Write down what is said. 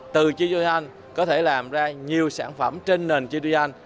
từ chitoyan có thể làm ra nhiều sản phẩm trên nền chitoyan